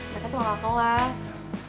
mereka tuh gak kelas